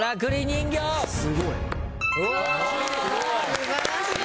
素晴らしい！